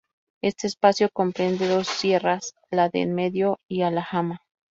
Este espacio comprende dos sierras, la de Enmedio y Alhama.